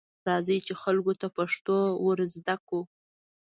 راځئ، چې خلکو ته پښتو ورزده کړو.